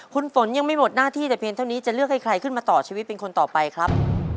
คุณฝนยังไม่หมดหน้าที่แต่เพียงเท่านี้จะเลือกให้ใครขึ้นมาต่อชีวิตเป็นคนต่อไปครับ